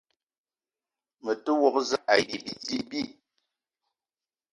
Me te wok zam ayi bidi bi.